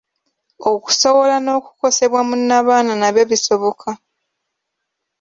Okusowola n’okukosebwa mu nnabaana nabyo bisoboka.